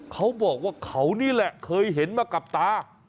เขาบอกว่าเขานี่แหละเคยเห็นมากับตา